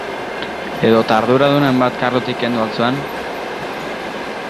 Edota arduradunen bat kargutik kendu al zuen?